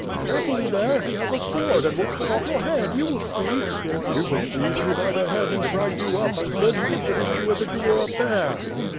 "Carefully there; he has a sword and will cut oflE your head. You will see." "He will seize you by the head and drag you up and then he will finish you as if you were a bear."